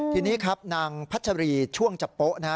ทีนี้ครับนางพัชรีช่วงจะโป๊ะ